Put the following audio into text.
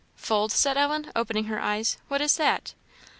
"Fold?" said Ellen, opening her eyes; "what is that?"